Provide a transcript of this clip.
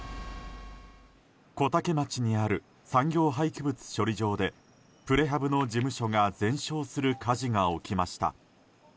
小竹町にある産業廃棄物処理場でプレハブの事務所が全焼する火事が起きました。